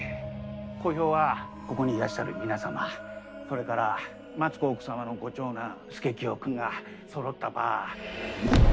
公表はここにいらっしゃる皆様それから松子奥様のご長男佐清君がそろった場。